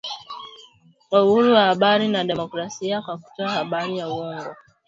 kwa uhuru wa habari na demokrasia kwa kutoa habari za uongo